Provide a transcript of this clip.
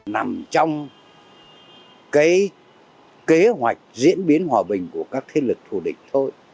nằm trong cái kế hoạch diễn biến hòa bình của các thế lực thù địch thôi